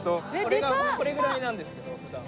これぐらいなんですけど普段は。